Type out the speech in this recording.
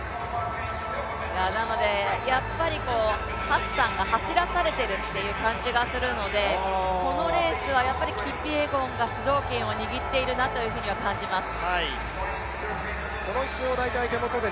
ハッサンが走らされているという感じがするので、このレースはキピエゴンが主導権を握っているなとは感じます。